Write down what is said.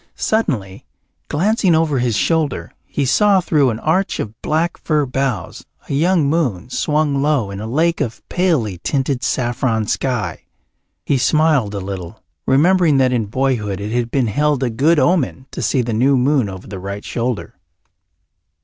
Suddenly, glancing over his shoulder, he saw through an arch of black fir boughs a young moon swung low in a lake of palely tinted saffron sky. He smiled a little, remembering that in boyhood it had been held a good omen to see the new moon over the right shoulder.